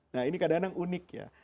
nah ini kadang kadang unik ya